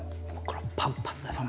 このパンパンなさ。